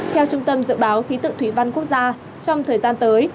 theo trung tâm dự báo khí tượng thủy văn quốc gia trong thời gian tới